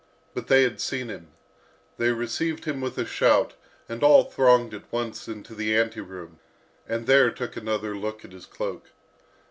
But they had seen him. They received him with a shout, and all thronged at once into the ante room, and there took another look at his cloak.